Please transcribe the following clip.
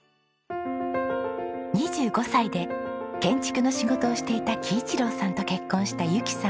２５歳で建築の仕事をしていた紀一郎さんと結婚した由紀さん。